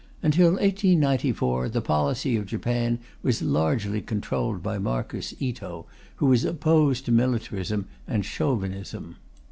Until 1894, the policy of Japan was largely controlled by Marquis Ito, who was opposed to militarism and Chauvinism.